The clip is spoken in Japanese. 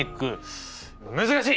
難しい！